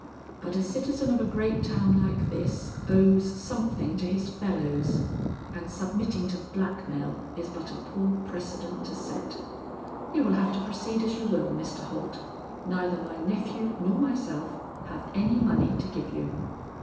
But a citizen of a great town like this, owes something to his fellows, and submitting to blackmail is but a poor precedent to set. You will have to proceed as you will, Mr. Holt; neither my nephew nor myself, have any money to give you."